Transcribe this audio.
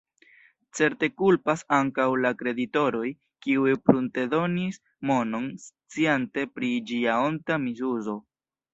Certe kulpas ankaŭ la kreditoroj, kiuj pruntedonis monon, sciante pri ĝia onta misuzo.